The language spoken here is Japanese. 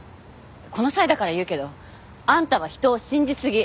この際だから言うけどあんたは人を信じすぎ。